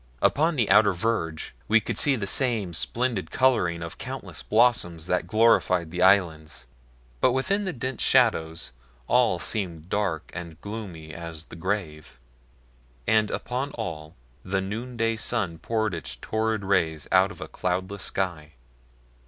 Upon the outer verge we could see the same splendid coloring of countless blossoms that glorified the islands, but within the dense shadows all seemed dark and gloomy as the grave. And upon all the noonday sun poured its torrid rays out of a cloudless sky.